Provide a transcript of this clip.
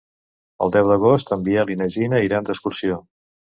El deu d'agost en Biel i na Gina iran d'excursió.